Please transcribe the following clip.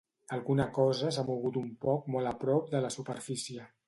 Alguna cosa s’ha mogut un poc molt a prop de la superfície.